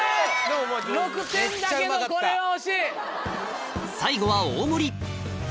６点だけどこれは惜しい。